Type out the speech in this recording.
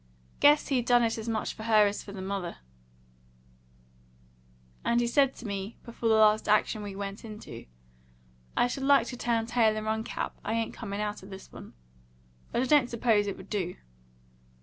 Guess he done it as much for her as for the mother; and he said to me before the last action we went into, 'I should like to turn tail and run, Cap. I ain't comin' out o' this one. But I don't suppose it would do.'